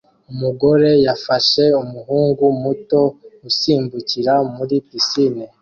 umugore yafashe umuhungu muto usimbukira muri pisine